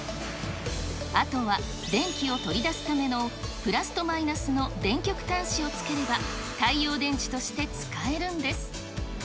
あとは電気を取り出すためのプラスとマイナスの電極端子を付ければ太陽電池として使えるんです。